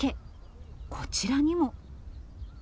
こちらにも。